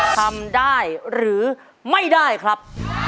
ทำได้หรือไม่ได้ครับ